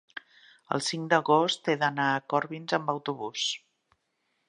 el cinc d'agost he d'anar a Corbins amb autobús.